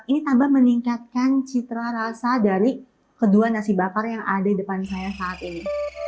ini tambah meningkatkan citra rasa dari kedua nasi bakar yang ada di depan saya saat ini